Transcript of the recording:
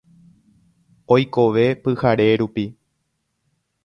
Oikove pyhare rupi.